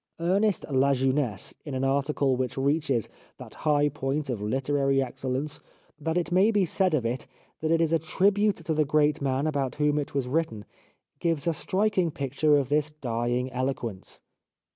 Ernest La Jeunesse in an article which reaches that high point of 297 The Life of Oscar Wilde literary excellence that it may be said "of it that it is a tribute to the great man about whom it was written, gives a striking picture of this dying eloquence.